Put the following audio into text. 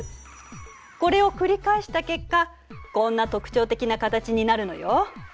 これを繰り返した結果こんな特徴的な形になるのよ。